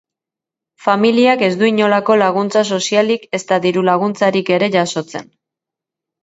Familiak ez du inolako laguntza sozialik ezta diru-laguntzarik ere jasotzen.